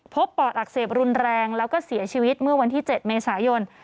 ปอดอักเสบรุนแรงแล้วก็เสียชีวิตเมื่อวันที่๗เมษายน